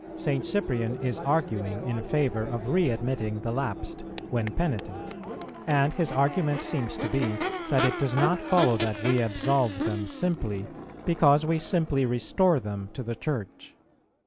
"St. Cyprian is arguing in favour of readmitting the lapsed, when penitent; and his argument seems to be that it does not follow that we absolve them simply because we simply restore them to the Church.